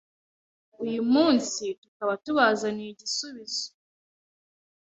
uyu munsi tukaba tubazaniye igisubizo